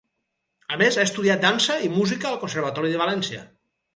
A més ha estudiat dansa i música al Conservatori de València.